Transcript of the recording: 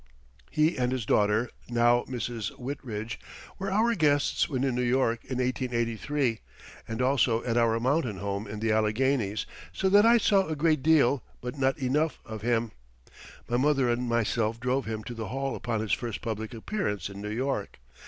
He and his daughter, now Mrs. Whitridge, were our guests when in New York in 1883, and also at our mountain home in the Alleghanies, so that I saw a great deal, but not enough, of him. My mother and myself drove him to the hall upon his first public appearance in New York.